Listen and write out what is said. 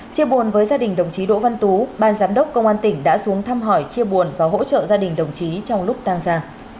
chia buồn với gia đình đồng chí đỗ văn tú ban giám đốc công an tỉnh đã xuống thăm hỏi chia buồn và hỗ trợ gia đình đồng chí trong lúc tăng ra